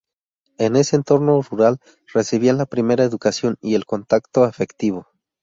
En ese entorno rural recibían la primera educación y el contacto afectivo.